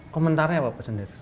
komentarnya apa pak sonder